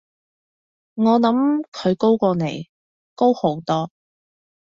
我諗佢高過你，高好多